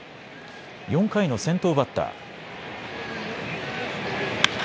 ４回の先頭バッター。